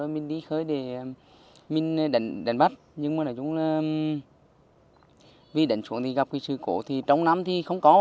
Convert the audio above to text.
mình đi khơi để mình đánh bắt nhưng mà nói chung là vì đánh xuống thì gặp cái sự cố thì trong năm thì không có